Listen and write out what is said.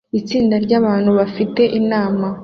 Itsinda ryabantu bafite inama